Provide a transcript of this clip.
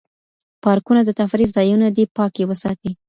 پارکونه د تفریح ځایونه دي پاک یې وساتئ.